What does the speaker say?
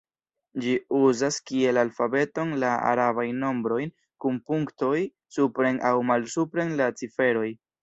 Ĝi uzas kiel alfabeton la arabajn nombrojn kun punktoj supren aŭ malsupren la ciferoj.